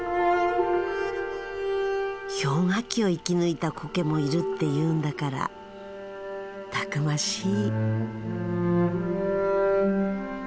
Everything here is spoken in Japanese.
氷河期を生き抜いたコケもいるっていうんだからたくましい。